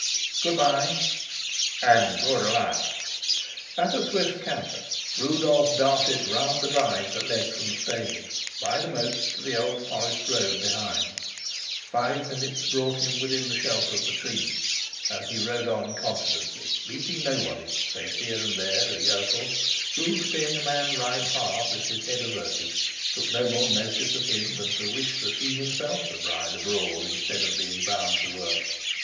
"Good by." "And good luck." At a swift canter Rudolf darted round the drive that led from the stables, by the moat, to the old forest road behind; five minutes brought him within the shelter of the trees, and he rode on confidently, meeting nobody, save here and there a yokel, who, seeing a man ride hard with his head averted, took no more notice of him than to wish that he himself could ride abroad instead of being bound to work.